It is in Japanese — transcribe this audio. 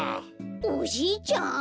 おじいちゃん？